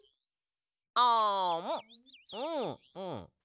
あむうんうん。